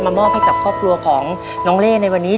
มอบให้กับครอบครัวของน้องเล่ในวันนี้